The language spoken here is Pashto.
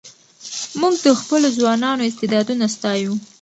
موږ د خپلو ځوانانو استعدادونه ستایو.